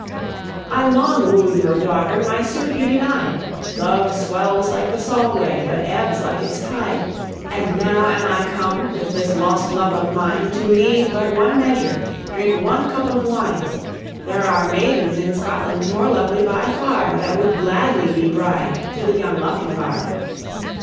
"I long woo'd your daughter, my suit you denied; Love swells like the Solway, but ebbs like its tide And now am I come, with this lost love of mine, To lead but one measure, drink one cup of wine. There are maidens in Scotland more lovely by far, That would gladly be bride to the young Lochinvar."